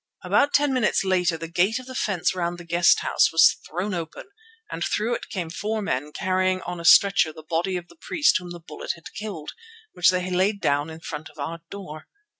About ten minutes later the gate of the fence round the guest house was thrown open, and through it came four men carrying on a stretcher the body of the priest whom the bullet had killed, which they laid down in front of our door.